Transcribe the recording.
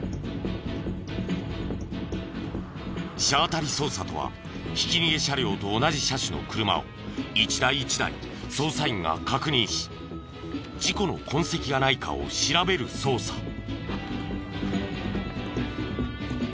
車当たり捜査とはひき逃げ車両と同じ車種の車を一台一台捜査員が確認し事故の痕跡がないかを調べる捜査。